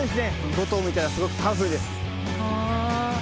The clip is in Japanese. ５とうもいたらすごくパワフルです。